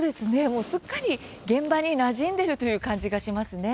もうすっかり現場になじんでるという感じがしますね。